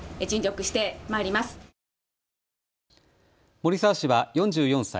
森澤氏は４４歳。